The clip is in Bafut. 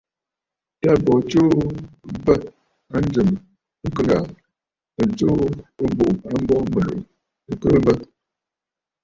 Tâ bo tsuu bə̂ a njɨ̀m ɨ kɨ ghàà, ɨ tsuu ɨbùꞌù a mbo mɨ̀lùꞌù ɨ kɨɨ bə.